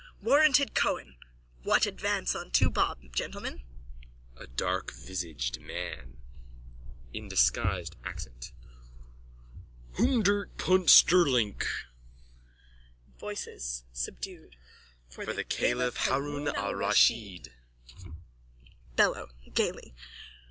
Warranted Cohen! What advance on two bob, gentlemen? A DARKVISAGED MAN: (In disguised accent.) Hoondert punt sterlink. VOICES: (Subdued.) For the Caliph. Haroun Al Raschid. BELLO: _(Gaily.)